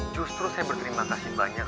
justru saya berterima kasih banyak